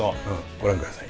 ご覧ください。